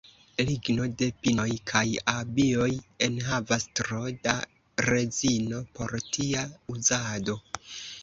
Ligno de pinoj kaj abioj enhavas tro da rezino por tia uzado.